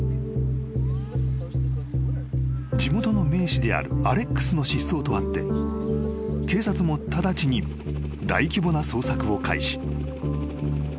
［地元の名士であるアレックスの失踪とあって警察も直ちに大規模な捜索を開始］